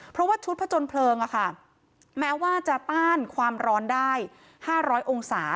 เพราะว่าชุดพจนเพลิงอ่ะค่ะแม้ว่าจะต้านความร้อนได้ห้าร้อยองศา